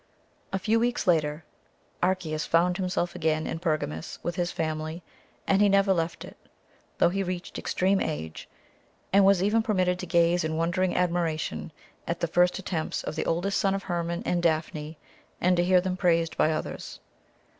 A few weeks later Archias found himself again in Pergamus with his family, and he never left it, though he reached extreme old age, and was even permitted to gaze in wondering admiration at the first attempts of the oldest son of Hermon and Daphne, and to hear them praised by others.